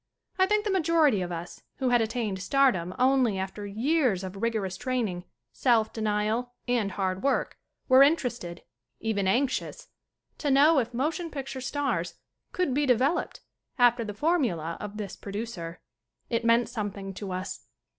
I think the majority of us, who had attained stardom only after years of rigorous training, self denial and hard work, were interested, even anxious, to know if motion picture stars could be developed after the formula of this pro ducer. It meant something to us.